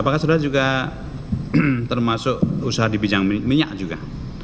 apakah saudara juga termasuk usaha di bidang minyak juga